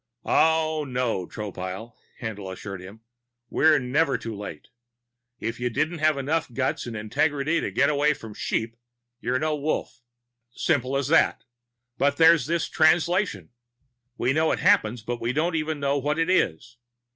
"Oh, no, Tropile," Haendl assured him. "We're never too late. If you don't have enough guts and ingenuity to get away from sheep, you're no wolf simple as that. But there's this Translation. We know it happens, but we don't even know what it is.